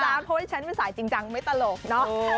เพราะว่าฉันเป็นสายจริงจังไม่ตลกเนอะ